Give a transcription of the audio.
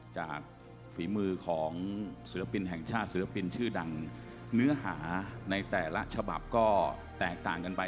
ฝีมือของศิลปินแห่งชาติศิลปินชื่อดังเนื้อหาในแต่ละฉบับก็แตกต่างกันไป